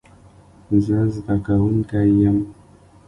زه زده کوونکی یم